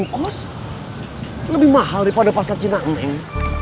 dua ratus dua puluh lima kos lebih mahal daripada pasar cina neng